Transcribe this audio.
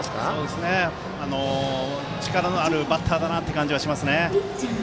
力のあるバッターだという感じがしますね。